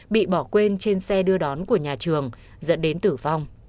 bị bỏ quên trên xe đưa đón của nhà trường dẫn đến tử vong